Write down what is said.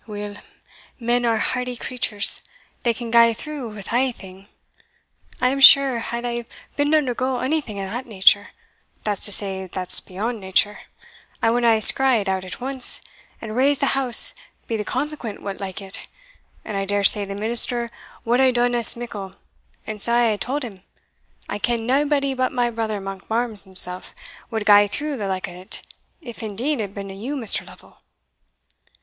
Weel, men are hardy creatures they can gae through wi' a' thing. I am sure, had I been to undergo ony thing of that nature, that's to say that's beyond nature I would hae skreigh'd out at once, and raised the house, be the consequence what liket and, I dare say, the minister wad hae done as mickle, and sae I hae tauld him, I ken naebody but my brother, Monkbarns himsell, wad gae through the like o't, if, indeed, it binna you, Mr. Lovel."